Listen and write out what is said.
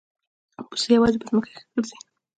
پسه یوازې په ځمکه ښه ګرځي.